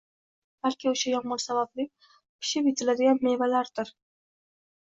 balki, o’sha yomg’ir sababli pishib-etiladigan mevalardir.